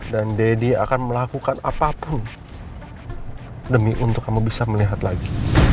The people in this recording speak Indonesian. dan daddy akan melakukan apapun demi untuk kamu bisa melihat lagi